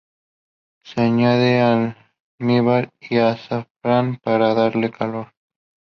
Se añade almíbar y azafrán para darle color.